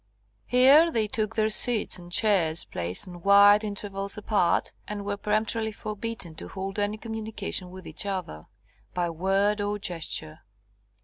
Here they took their seats on chairs placed at wide intervals apart, and were peremptorily forbidden to hold any communication with each other, by word or gesture.